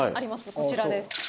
こちらです。